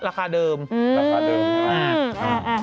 ราคาเดิมใช่ไหม